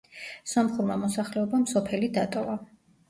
სომხურმა მოსახლეობამ სოფელი დატოვა.